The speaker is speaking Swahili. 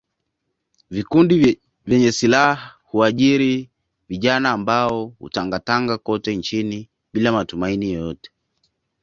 Vikundi vyenye silaha huajiri vijana ambao hutangatanga kote nchini bila matumaini yoyote